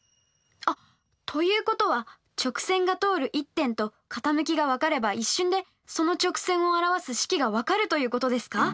あっ！ということは直線が通る１点と傾きが分かれば一瞬でその直線を表す式が分かるということですか？